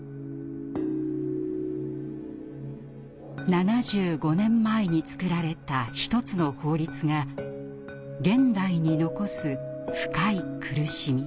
７５年前に作られた一つの法律が現代に残す深い苦しみ。